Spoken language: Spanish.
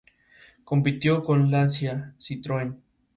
Compitió con Lancia y Citroën.